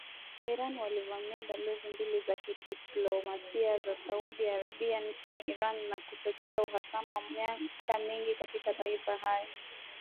Wa-Iran walivamia balozi mbili za kidiplomasia za Saudi Arabia nchini Iran, na kuchochea uhasama wa miaka mingi kati ya mataifa hayo.